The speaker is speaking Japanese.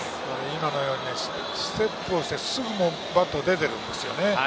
今のようにステップして、すぐにバットが出ているんですよね。